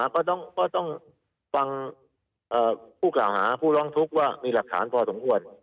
ก็ต้องฟังผู้กล่าวหาผู้ร้องทุกข์ว่ามีหลักฐานพอสมควร